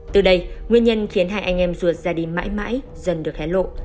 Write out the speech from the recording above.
từ đây nguyên nhân khiến hai anh em ruột gia đình mãi mãi dần được hé lộ